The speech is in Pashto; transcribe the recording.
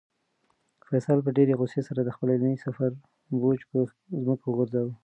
فیصل په ډېرې غوسې سره د خپل علمي سفر بوج په ځمکه وغورځاوه.